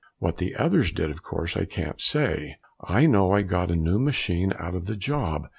What the others did of course I can't say. I know I got a new machine out of the job!